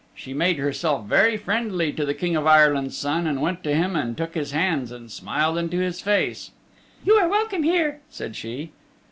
She made herself very friendly to the King of Ireland's Son and went to him and took his hands and smiled into his face. "You are welcome here," said she.